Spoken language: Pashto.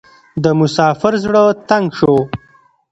د مسافر زړه تنګ شو .